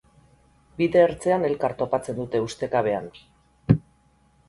Bide ertzean elkar topatzen dute ustekabean.